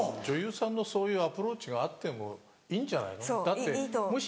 女優さんのそういうアプローチがあってもいいんじゃないの？